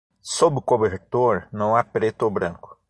Sob o cobertor não há preto ou branco.